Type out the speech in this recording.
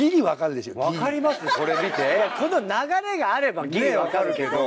流れがあればぎり分かるけど。